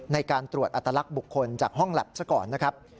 ในการตรวจอัตลักษณ์บุคคลจากห้องแล็บซะก่อนนะครับ